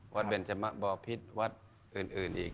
วัดเบนเจมส์บ่อพิษวัดอื่นอีก